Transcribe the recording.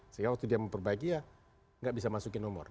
sehingga waktu dia memperbaiki ya nggak bisa masukin nomor